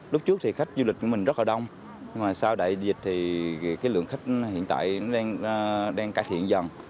lúc trước thì khách du lịch của mình rất là đông nhưng mà sau đại dịch thì cái lượng khách hiện tại nó đang cải thiện dần